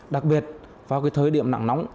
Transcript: đặc biệt vào thời điểm nặng nóng